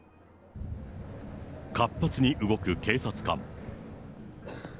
活発に動く警察官。